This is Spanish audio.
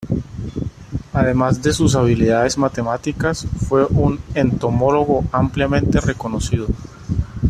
Además de sus habilidades matemáticas, fue un entomólogo ampliamente reconocido.